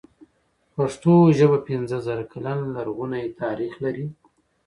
پښتو ژبه پنځه زره کلن لرغونی تاريخ لري.